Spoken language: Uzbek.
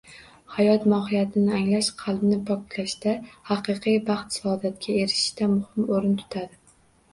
Hayot mohiyatini anglash qalbni poklashda, haqiqiy baxt-saodatga erishishda muhim o‘rin tutadi.